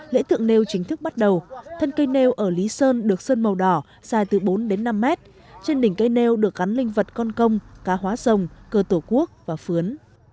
lễ thượng nêu chính thức bắt đầu thân cây nêu ở lý sơn được sơn màu đỏ dài từ bốn đến năm mét trên đỉnh cây nêu được gắn linh vật con công cá hóa rồng cơ tổ quốc và phướn